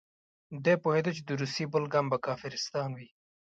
ده پوهېده چې د روسیې بل ګام به کافرستان وي.